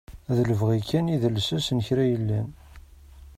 D lebɣi kan i d lsas n kra yellan.